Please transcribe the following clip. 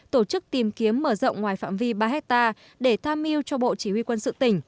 tổ chức tìm kiếm mở rộng ngoài phạm vi ba hectare để tham mưu cho bộ chỉ huy quân sự tỉnh